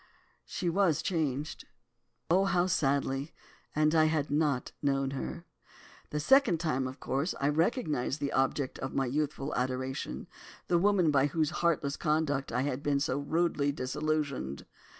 She was changed, oh! how sadly, and I had not known her. The second time, of course, I recognised the object of my youthful adoration, the woman by whose heartless conduct I had been so rudely disillusioned.